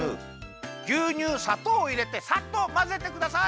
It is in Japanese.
ぎゅうにゅうさとうをいれてさっとまぜてください。